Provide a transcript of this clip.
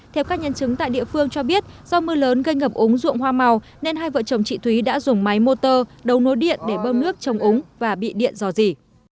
theo các nhân chứng tại địa phương cho biết do mưa lớn gây ngập ống ruộng hoa màu nên hai vợ chồng chị thúy đã dùng máy motor đấu nối điện để bơm nước trong ống và bị điện giò dỉ